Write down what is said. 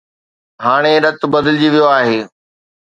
هاڻي رت بدلجي ويو آهي.